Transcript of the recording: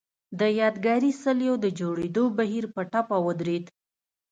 د یادګاري څليو د جوړېدو بهیر په ټپه ودرېد.